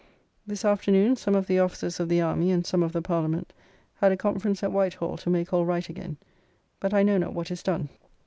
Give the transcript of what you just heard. This afternoon, some of the Officers of the Army, and some of the Parliament, had a conference at White Hall to make all right again, but I know not what is done.